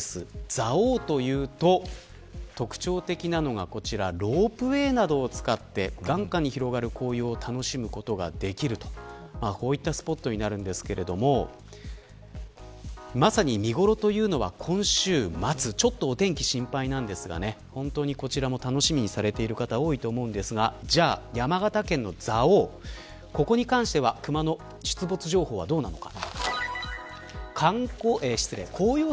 蔵王というと特徴的なのがこちらロープウエーなどを使って眼下に広がる紅葉楽しむことができるこういったスポットになりますがまさに見頃というのが今週末お天気が心配なんですがこちらも楽しみにされてる方多いと思いますが山形県の蔵王、ここに関してはクマの出没情報はどうなのか。